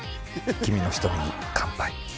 君の瞳に乾杯。